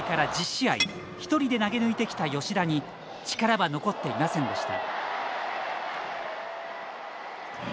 一人で投げ抜いてきた吉田に力は残っていませんでした。